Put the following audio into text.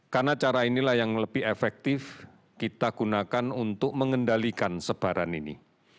karena cara inilah yang lebih efektif kita gunakan untuk mengendalikan sebaran ini